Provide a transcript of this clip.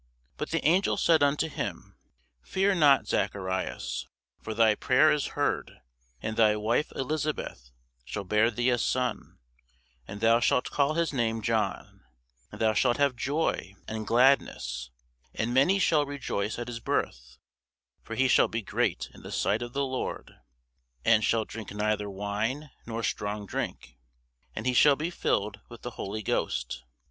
ELIZABETH BY ALBERTINELLI IN THE UFFIZI GALLERY, FLORENCE] But the angel said unto him, Fear not, Zacharias: for thy prayer is heard; and thy wife Elisabeth shall bear thee a son, and thou shalt call his name John. And thou shalt have joy and gladness; and many shall rejoice at his birth. For he shall be great in the sight of the Lord, and shall drink neither wine nor strong drink; and he shall be filled with the Holy Ghost.